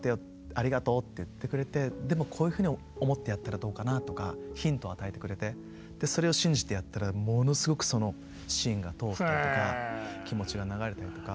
ありがとうって言ってくれてでもこういうふうに思ってやったらどうかなとかヒントを与えてくれてそれを信じてやったらものすごくそのシーンが通ったとか気持ちが流れたりとか。